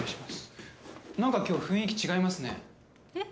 何か今日、雰囲気違いますね。